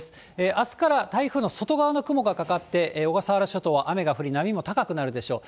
あすから台風の外側の雲がかかって、小笠原諸島は雨が降り、波も高くなるでしょう。